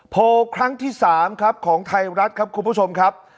ครั้งที่๓ครับของไทยรัฐครับคุณผู้ชมครับ